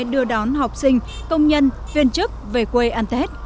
đưa đón học sinh công nhân viên chức về quê ăn tết